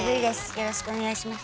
よろしくお願いします。